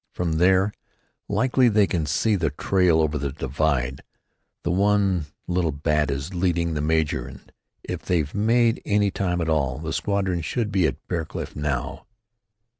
"From there, likely, they can see the trail over the divide the one Little Bat is leading the major and, if they've made any time at all, the squadron should be at Bear Cliff now."